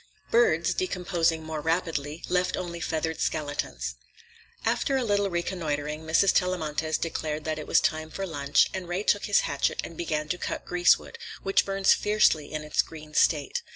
Birds, decomposing more rapidly, left only feathered skeletons. After a little reconnoitering, Mrs. Tellamantez declared that it was time for lunch, and Ray took his hatchet and began to cut greasewood, which burns fiercely in its green state.